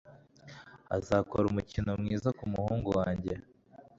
Azakora umukino mwiza kumuhungu wanjye.